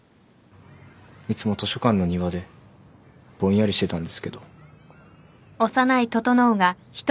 いつも図書館の庭でぼんやりしてたんですけど。